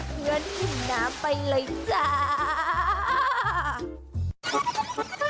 คลื่นถึงน้ำไปเลยจ้า